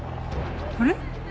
あれ？